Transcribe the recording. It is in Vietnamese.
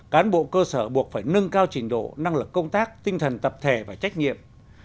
cán bộ cơ sở buộc phải nâng cao trình độ năng lực công tác tinh thần tập thể và trách nhiệm